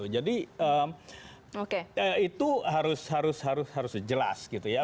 itu harus jelas gitu ya